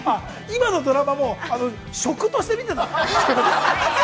◆今のドラマも、食として見てたの！？